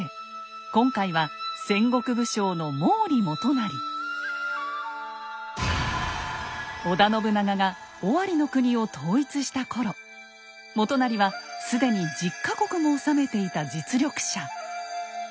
今回は織田信長が尾張国を統一した頃元就は既に１０か国も治めていた実力者。